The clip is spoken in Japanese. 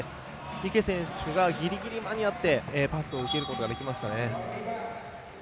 池選手がぎりぎり間に合ってパスを受けることができましたね。